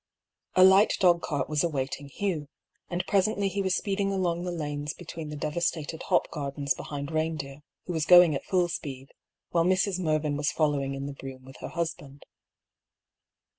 A light dogcart was awaiting Hugh, and presently he was speeding along the lanes between the devastated hop gardens behind Eeindeer, who was going at full speed, while Mrs. Mervyn was following in the brougham with her husband.